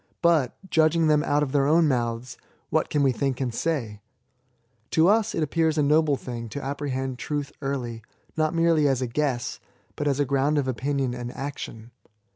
But, judging them out of their own mouths, what can we think and say ? To us it appears a noble thing to apprehend truth early, not m^ely as a guess, but as a ground of opinion and action.